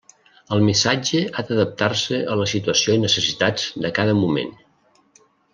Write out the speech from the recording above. El missatge ha d'adaptar-se a la situació i necessitats de cada moment.